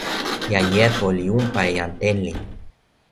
jan Jepo li unpa e jan Tenli.